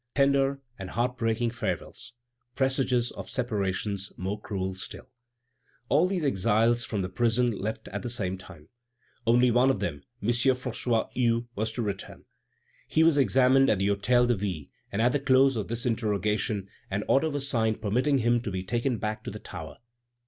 Tender and heart breaking farewells, presages of separations more cruel still! All these exiles from the prison left at the same time. Only one of them, M. François Hue, was to return. He was examined at the Hôtel de Ville, and at the close of this interrogation an order was signed permitting him to be taken back to the tower.